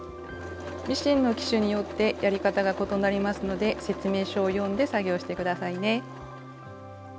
ミシンの機種によってやり方が異なりますので説明書を読んで作業して下さいね。